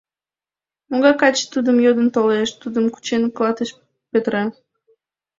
Могай каче тудым йодын толеш — тудым кучен клатыш петыра.